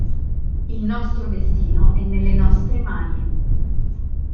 Il nostro destino è nelle nostre mani.